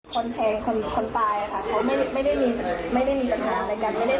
คนแทงคนตายค่ะเขาไม่ได้มีปัญหาใดกัน